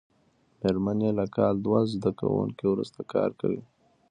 مېرمن یې له کال دوه زده کړو وروسته کار کوي.